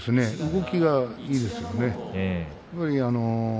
動きがいいです。